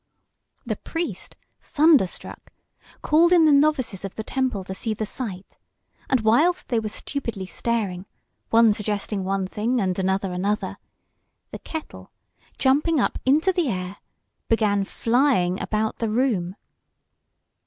The priest, thunderstruck, called in the novices of the temple to see the sight; and whilst they were stupidly staring, one suggesting one thing and another another, the kettle, jumping up into the air, began flying about the room.